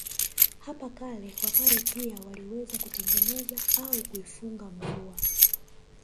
Hapo kale Wapare pia waliweza kutengeneza au kuifunga mvua